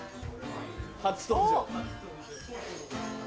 初登場。